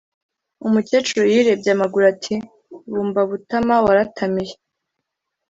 Umukecuru yirebye amaguru ati bumba butama waratamiye.